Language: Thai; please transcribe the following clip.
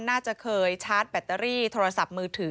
น่าจะเคยชาร์จแบตเตอรี่โทรศัพท์มือถือ